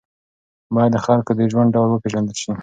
باید د خلکو د ژوند ډول وپېژندل شي.